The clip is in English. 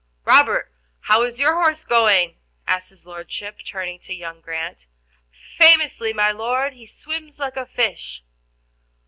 "Robert, how is your horse going?" asked his Lordship, turning to young Grant. "Famously, my Lord, he swims like a fish."